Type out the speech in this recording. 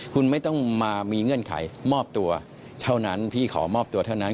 คุณไม่ต้องมามีเงื่อนไขมอบตัวเท่านั้นพี่ขอมอบตัวเท่านั้น